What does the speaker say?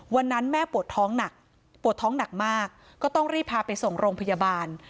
วันนั้นแม่ปวดท้องหนักปวดท้องหนักมากก็ต้องรีบพาไปส่งโรงพยาบาล